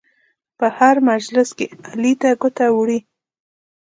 په هر مجلس کې علي ته ګوته وړي.